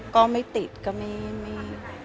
ก็ไม่ติดก็ไม่